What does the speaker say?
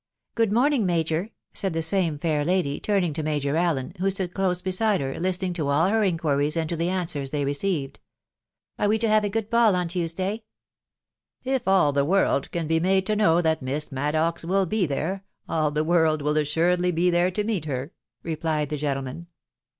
Good morning, Major!" said the same fair lady, turning to. Major Allen, who stood close beside her, listening to all her inquiries and to the answers they, received. " Are we to have a good ball on Tuesday?" " If all the world can be made to know that Miss Maddox will be there, all the world will assuredly be there to meet her," replied the gentleman.